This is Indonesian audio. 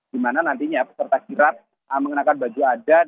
dimana nantinya peserta kirap mengenakan baju adat